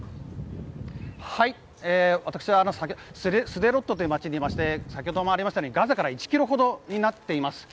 私はスデロットという街にいまして先ほどもありましたようにガザから１ｋｍほどになります。